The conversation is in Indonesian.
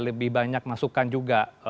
lebih banyak masukan juga